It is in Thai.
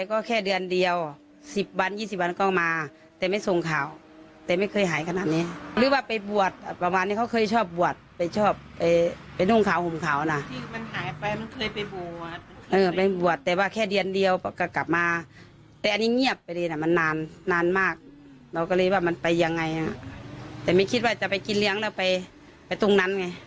ก็เลยว่ามันไปยังไงแต่ไม่คิดว่าจะไปกินเลี้ยงแล้วไปตรงนั้นไง